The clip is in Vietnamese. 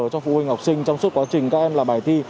cho phụ huynh học sinh trong suốt quá trình các em làm bài thi